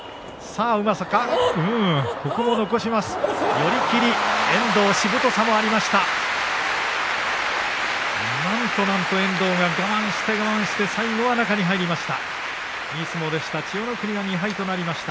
寄り切り遠藤、しぶとさもありました。